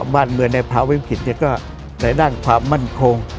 บ้านเมืองในพระวิทธิ์ก็ในร่างความมั่นโครง